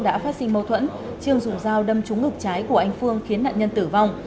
đã phát sinh mâu thuẫn trương dùng dao đâm trúng ngực trái của anh phương khiến nạn nhân tử vong